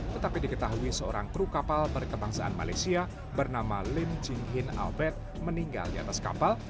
tetapi diketahui seorang kru kapal berkebangsaan malaysia bernama lim jing hin albert meninggal di atas kapal